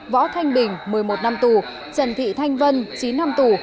võ thanh bình một mươi một năm tù trần thị thanh vân chín năm tù